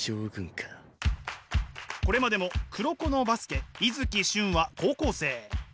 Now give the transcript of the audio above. これまでも「黒子のバスケ」伊月俊は高校生。